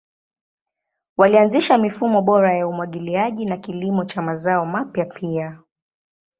Walianzisha mifumo bora ya umwagiliaji na kilimo cha mazao mapya pia.